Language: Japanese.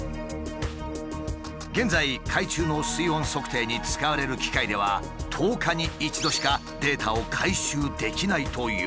現在海中の水温測定に使われる機械では１０日に１度しかデータを回収できないという。